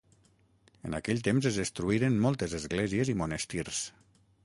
En aquell temps es destruïren moltes esglésies i monestirs.